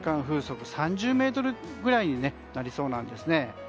風速３０メートルぐらいになりそうです。